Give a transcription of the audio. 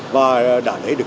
và đã lấy được